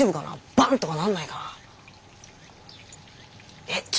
バン！とかなんないかな？